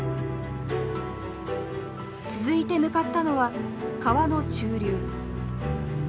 続いて向かったのは川の中流。